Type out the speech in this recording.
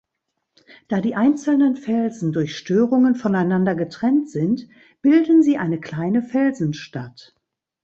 Da die einzelnen Felsen durch Störungen voneinander getrennt sind, bilden sie eine kleine "Felsenstadt".